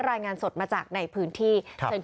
โรยันงานสดมาจากในพื้นที่